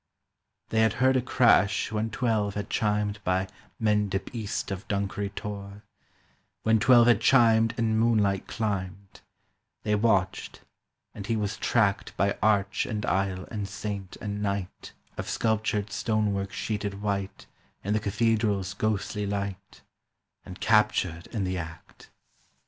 They had heard a crash when twelve had chimed By Mendip east of Dunkery Tor, When twelve had chimed and moonlight climbed; They watched, and he was tracked By arch and aisle and saint and knight Of sculptured stonework sheeted white In the cathedral's ghostly light, And captured in the act.